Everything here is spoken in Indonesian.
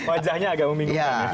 wajahnya agak membingungkan